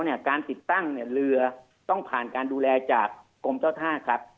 การติดตั้งเนี่ยเรือต้องผ่านการดูแลจากกรมเจ้าท่าครับ